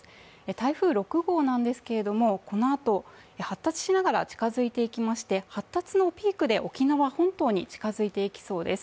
台風６号なんですが、このあと発達しながら近づいていきまして発達のピークで沖縄本島に近づいていきそうです。